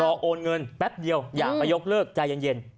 โอนเงินแป๊บเดียวอย่าไปยกเลิกใจเย็น